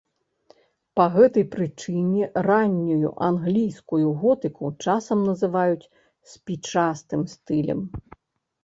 Па гэтай прычыне раннюю англійскую готыку часам называюць спічастым стылем.